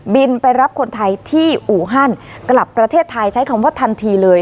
ไปรับคนไทยที่อู่ฮันกลับประเทศไทยใช้คำว่าทันทีเลย